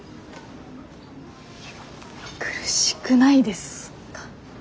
苦しくないですか？